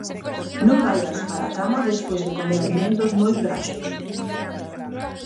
Non vaias para cama despois de comer alimentos moi graxos.